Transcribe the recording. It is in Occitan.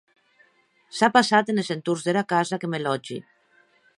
S’a passat enes entorns dera casa que me lòtgi.